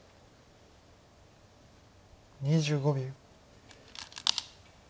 ２５秒。